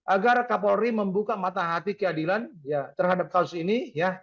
agar kapolri membuka mata hati keadilan terhadap kasus ini ya